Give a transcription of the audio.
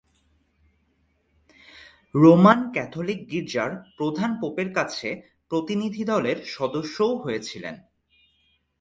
Roman Catholic গির্জার প্রধান পোপের কাছে প্রতিনিধিদলের সদস্যও হয়েছিলেন।